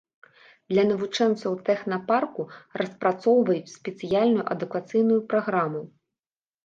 Для навучэнцаў тэхнапарку распрацоўваюць спецыяльную адукацыйную праграму.